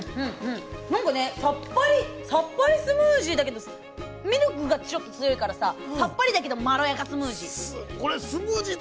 なんかさっぱりスムージーだけどミルクがちょっと強いからさっぱりだけどまろやかスムージー。